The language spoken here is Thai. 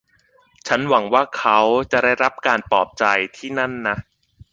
ฉันหวังว่าเขาจะได้รับการปลอบใจที่นั่นนะ